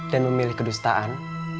dan memilih kedustaan